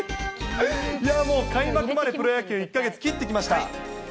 もう開幕までプロ野球、１か月切ってきました。